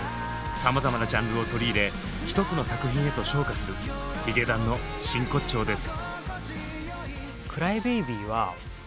さまざまなジャンルを取り入れ１つの作品へと昇華するヒゲダンの真骨頂です。